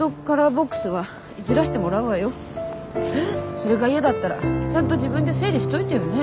それがイヤだったらちゃんと自分で整理しといてよね。